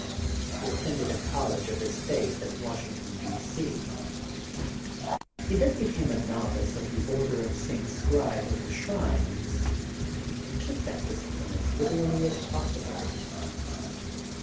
He attended a college of his faith at Washington, D. C. He then became a novice of the order of St. Scribe of the Shrines and took that discipline as literally as possible.